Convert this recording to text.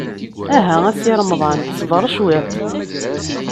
Aha a Si Remḍan, ṣber cwiṭ.